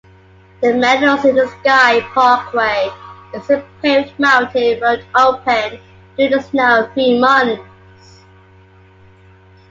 The Meadows-in-the-Sky Parkway is a paved mountain road open during the snow free months.